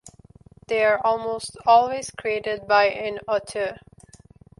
They are almost always created by an "auteur".